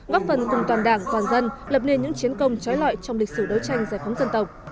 góp phần cùng toàn đảng toàn dân lập nên những chiến công trói lọi trong lịch sử đấu tranh giải phóng dân tộc